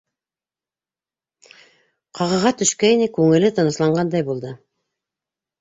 Ҡағыға төшкәйне, күңеле тынысланғандай булды.